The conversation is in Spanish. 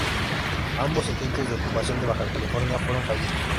Ambos intentos de ocupación de Baja California fueron fallidos.